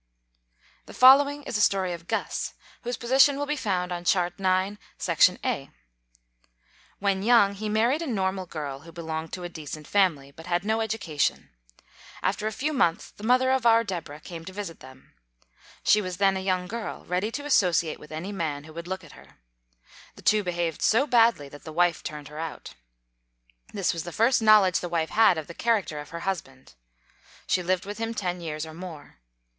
The following is a story of Guss, whose position will be found on Chart IX, section A. When young, he married a normal girl who belonged to a decent family, but had no education. After a few months the mother of our Deborah came to visit them. She was then a young girl, ready to associate with any man who would look at her. The two behaved so badly that the wife turned her out. This was the first knowledge the wife had of the character of her husband. She lived with him ten years or more.